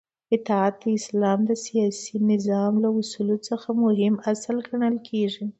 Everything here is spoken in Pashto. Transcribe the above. اطاعت د اسلام د سیاسی نظام له اصولو څخه مهم اصل ګڼل کیږی